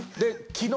昨日。